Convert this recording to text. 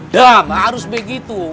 dam harus begitu